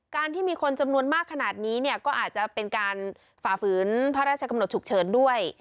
ที่มีคนจำนวนมากขนาดนี้เนี่ยก็อาจจะเป็นการฝ่าฝืนพระราชกำหนดฉุกเฉินด้วย